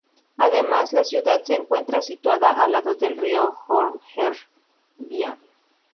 Además, la ciudad se encuentra situada al lado del río Oum Er-Rbia.